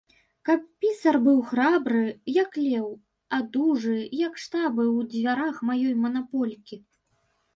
Каб пісар быў храбры, як леў, а дужы, як штабы ў дзвярах маёй манаполькі.